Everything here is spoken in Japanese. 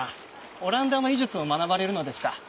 和蘭の医術を学ばれるのですか。